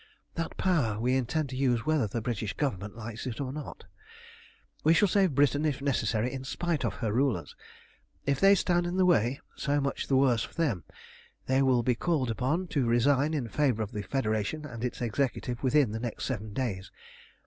That power we intend to use whether the British Government likes it or not. "We shall save Britain, if necessary, in spite of her rulers. If they stand in the way, so much the worse for them. They will be called upon to resign in favour of the Federation and its Executive within the next seven days.